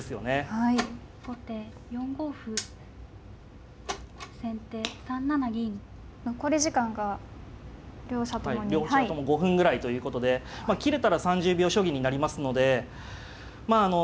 はい両者とも５分ぐらいということでまあ切れたら３０秒将棋になりますのでまああの